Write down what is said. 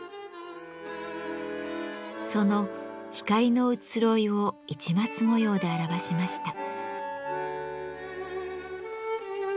その光の移ろいを市松模様で表しました。